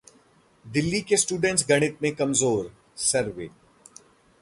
दिल्ली के स्टूडेंट्स गणित में कमजोर: सर्वे